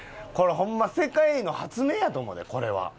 ホンマ世界の発明やと思うでこれは。